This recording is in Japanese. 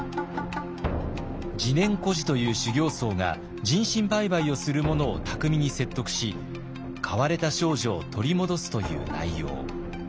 自然居士という修行僧が人身売買をする者を巧みに説得し買われた少女を取り戻すという内容。